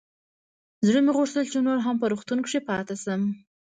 زړه مې غوښتل چې نور هم په روغتون کښې پاته سم.